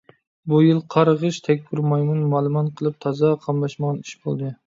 بۇ يىل قارغىش تەگكۈر مايمۇن مالىمان قىلىپ تازا قاملاشمىغان ئىش بولدى.